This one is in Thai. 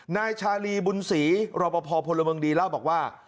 นายชาลีบุญศรีรอปภพลเมืองดีเล่าบอกว่า